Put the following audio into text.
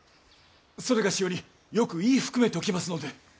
それがしよりよく言い含めておきますので！